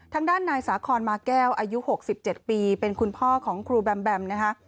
ทางด้านนายสาคอนมาแก้วอายุ๖๗ปีเป็นคุณพ่อของครูแบมแบมนะคะ